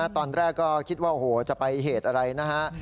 ตอนแรกก็คิดว่าโอ้โหจะไปเหตุอะไรนะฮะ